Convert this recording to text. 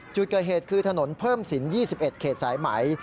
จุดเกิดเหตุคือถนนเพิ่มสิน๒๑เขตสายไหม